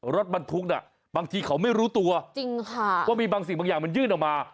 รถบรรทุกน่ะบางทีเขาไม่รู้ตัวจริงค่ะว่ามีบางสิ่งบางอย่างมันยื่นออกมา